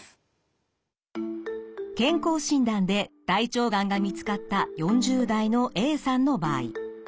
健康診断で大腸がんが見つかった４０代のＡさんの場合。